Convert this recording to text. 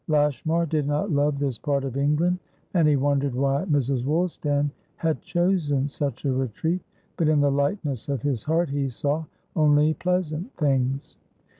Lashmar did not love this part of England, and he wondered why Mrs. Woolstan had chosen such a retreat, but in the lightness of his heart he saw only pleasant things.